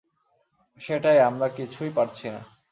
সেটাই, আমরা কিছুই পারছি না।